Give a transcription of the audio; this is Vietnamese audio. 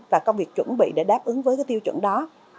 và công việc chuẩn bị để đáp ứng với tiêu chuẩn đó